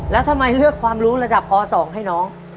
แล้วทำไมเลือกความรู้ระดับป๒ให้น้อง